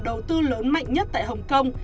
đầu tư lớn mạnh nhất tại hồng kông